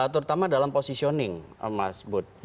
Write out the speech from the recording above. terutama dalam positioning mas bud